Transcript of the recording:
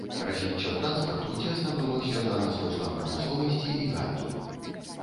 Развіццё транспарту цесна было звязана з ростам прамысловасці і гандлю.